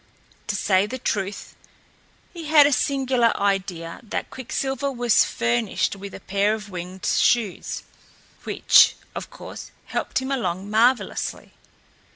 To say the truth, he had a singular idea that Quicksilver was furnished with a pair of winged shoes, which, of course, helped him along marvelously.